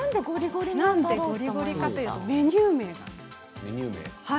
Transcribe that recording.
ゴリゴリというメニュー名なんです。